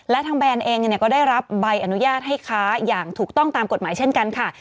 และทางแบรนด์เองก็ได้รับใบอนุญาตให้ค้าอย่างถูกต้องตามกฎหมายเช่นกันค่ะ